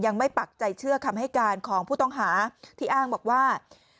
ปักใจเชื่อคำให้การของผู้ต้องหาที่อ้างบอกว่า